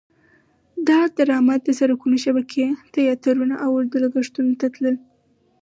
دا درامد د سرکونو شبکې، تیاترونه او اردو لګښتونو ته تلل.